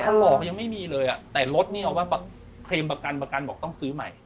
ถ้าบอกยังไม่มีเลยแต่รถนี่เอาว่าเคลมประกันประกันบอกต้องซื้อใหม่